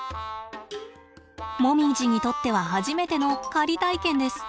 もみじにとっては初めての狩り体験です。